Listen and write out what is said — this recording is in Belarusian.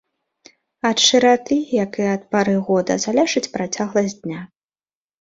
Ад шыраты, як і ад пары года, залежыць працягласць дня.